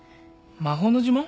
魔法の呪文？